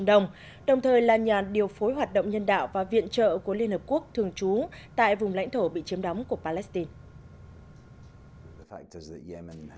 đồng thời là nhà điều phối hoạt động nhân đạo và viện trợ của liên hợp quốc thường trú tại vùng lãnh thổ bị chiếm đóng của palestine